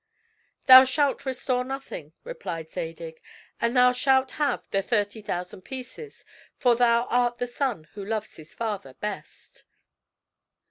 "Thou shalt restore nothing," replied Zadig, "and thou shalt have the thirty thousand pieces, for thou art the son who loves his father best."